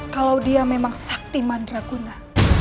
kalau dia memang saktiman raguna